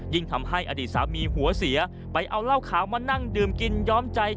ทำให้อดีตสามีหัวเสียไปเอาเหล้าขาวมานั่งดื่มกินย้อมใจ